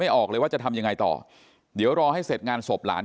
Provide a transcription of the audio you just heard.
ออกเลยว่าจะทำยังไงต่อเดี๋ยวรอให้เสร็จงานศพหลาน